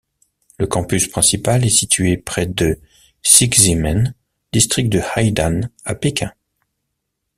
Le campus principal est situé près de Xizhimen, District de Haidian, à Pékin.